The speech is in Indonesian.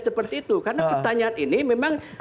seperti itu karena pertanyaan ini memang